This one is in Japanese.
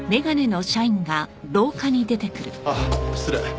ああ失礼。